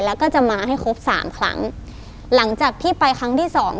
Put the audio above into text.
แล้วก็จะมาให้ครบสามครั้งหลังจากที่ไปครั้งที่สอง